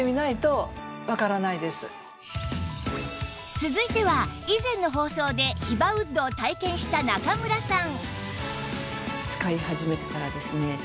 続いては以前の放送でヒバウッドを体験した中村さん